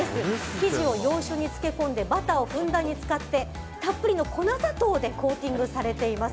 生地を洋酒に漬け込んでバターをふんだんに使ってたっぷりの粉砂糖でコーティングされています。